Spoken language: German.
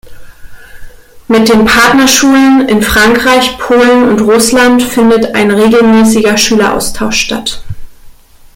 Mit den Partnerschulen in Frankreich, Polen und Russland findet ein regelmäßiger Schüleraustausch statt.